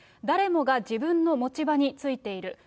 誰もが自分の持ち場に就いている。